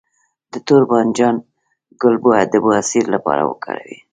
د تور بانجان ګل د بواسیر لپاره وکاروئ